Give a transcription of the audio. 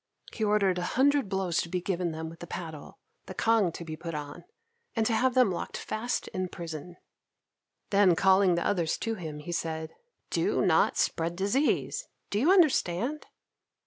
He ordered a hundred blows to be given them with the paddle, the cangue to be put on, and to have them locked fast in prison. Then, calling the others to him, he said, "Do not spread disease! Do you understand?"